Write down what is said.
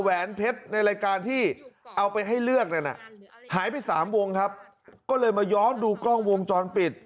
แหวนเพชรในรายการที่เอาไปให้เลือกนั่นน่ะหายไปสามวงครับก็เลยมาย้อนดูกล้องวงจรปิด